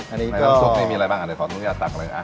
อันนี้ก็ในร้านซุปนี้มีอะไรบ้างอ่ะเดี๋ยวขอทุกที่จะตักเลย